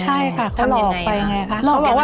ใช่ค่ะเขาออกไปไงคะ